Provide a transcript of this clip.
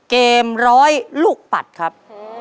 ร้อยลูกปัดครับ